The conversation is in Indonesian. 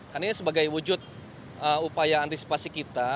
karena ini sebagai wujud upaya antisipasi kita